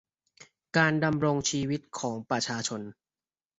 การดำรงชีวิตของประชาชน